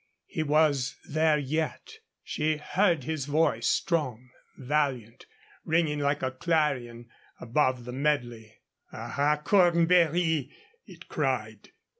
He was there yet. She heard his voice, strong, valiant, ringing like a clarion above the medley: "Aha, Cornbury!" it cried.